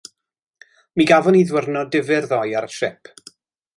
Mi gafon ni ddiwrnod difyr ddoe ar y trip.